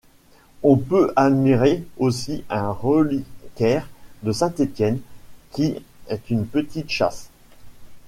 On peut admirer aussi un reliquaire de Saint Étienne qui est une petite châsse.